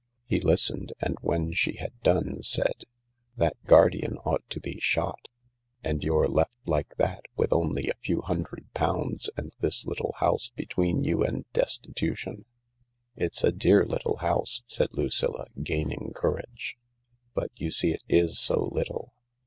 He listened, and when she had done, said :" That guardian| ought to be shot. And you're left like that, with only a few hundred pounds and this little house between you and destitution ?" "It's a dear little house," said Lucilla, gaining courage, * but you see it is so little.